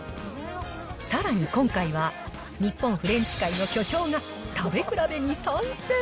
さらに今回は、日本フレンチ界の巨匠が、食べ比べに参戦。